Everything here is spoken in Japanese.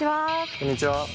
こんにちは。